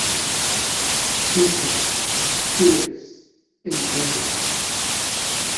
Decent, fearless, independent.